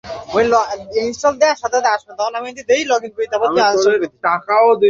বর্তমান সেনাপ্রধান general Raheel Sharif general Pervez মোশাররফের অনুরক্ত বলেই পরিচিত।